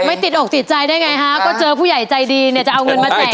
ไม่ติดอกติดใจได้ไงฮะก็เจอผู้ใหญ่ใจดีเนี่ยจะเอาเงินมาแจก